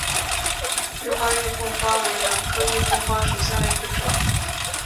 绿花玉凤花为兰科玉凤花属下的一个种。